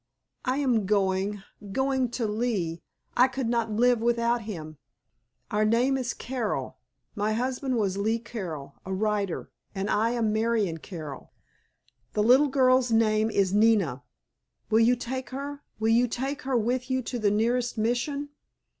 I am going—going to Lee—I could not live without him. Our name is Carroll. My husband was Lee Carroll—a writer—and I am Marian Carroll. The little girl's name is Nina. Will you take her—will you take her with you to the nearest Mission?